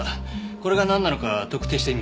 これがなんなのか特定してみます。